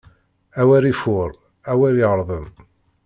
Awer ifuṛ, awer yeṛdem.